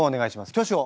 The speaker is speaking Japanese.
挙手を。